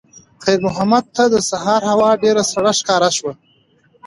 خیر محمد ته د سهار هوا ډېره سړه ښکاره شوه.